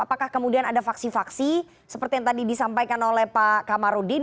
apakah kemudian ada faksi faksi seperti yang tadi disampaikan oleh pak kamarudin